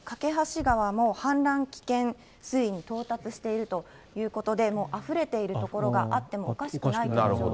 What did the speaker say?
梯川も氾濫危険水位に到達しているということで、あふれている所があってもおかしくないという状況です。